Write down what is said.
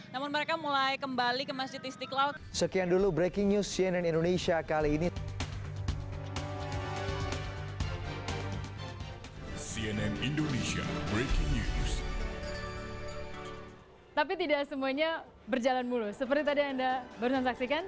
dan memikirkan bagaimana kita bisa melakukan yang lebih baik